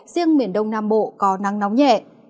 riêng miền đông nam bộ có nắng nóng nhẹ